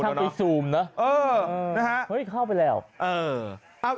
เฮ้ยเข้าไปแล้ว